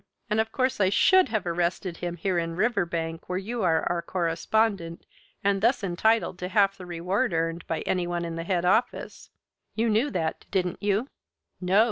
And of course I should have arrested him here in Riverbank where you are our correspondent and thus entitled to half the reward earned by any one in the head office. You knew that, didn't you?" "No!"